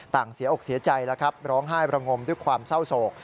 ต่างเสียอกเสียใจร้องไห้บรงงมด้วยความเศร้าโศก